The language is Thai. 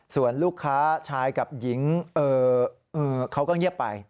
ส่วนลูกค้าชายกับหญิงเขาก็เงียบไป